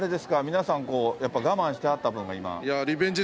皆さん我慢してはった分が今。